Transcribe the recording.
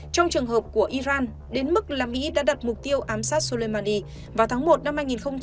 trong trường hợp của iran đến mức là mỹ đã đặt mục tiêu ám sát soleimani vào tháng một năm hai nghìn hai mươi